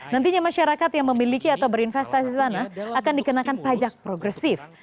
nantinya masyarakat yang memiliki atau berinvestasi di sana akan dikenakan pajak progresif